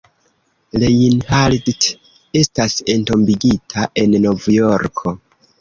Reinhardt estas entombigita en Novjorko.